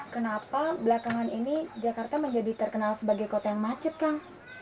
kenapa belakangan ini jakarta menjadi terkenal sebagai kota yang macet kang